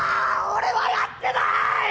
俺はやってなーい！！